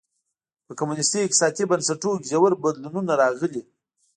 په کمونېستي اقتصادي بنسټونو کې ژور بدلونونه راغلي.